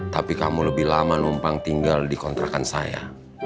tapi kamu lebih lama numpang tinggal dikontrakan saya